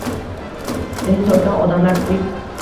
Seni sotgan odamlar tirik